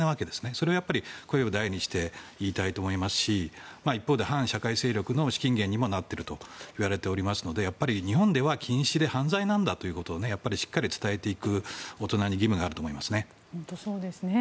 それはやっぱり声を大にして言いたいと思いますし一方で反社会勢力の資金源になっているともいわれていますので日本では禁止で犯罪なんだということをしっかり伝えていく本当にそうですね。